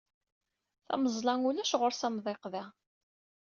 Tameẓla ulac ɣur-s amḍiq da.